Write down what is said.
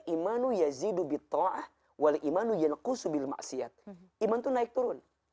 iman itu naik turun